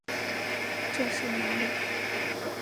这是哪里？